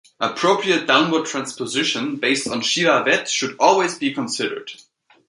Appropriate downward transposition based on chiavette should always be considered.